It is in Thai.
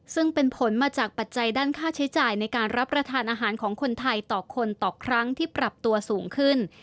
ซึ่งเป็นผลมาจากปัจจัยด้านค่าใช้จ่ายในการรับประทานอาหารของคนไทยต่อคนต่อครั้งที่ปรับตัวสูงขึ้น